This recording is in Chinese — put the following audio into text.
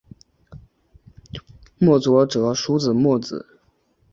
墨翟着书号墨子。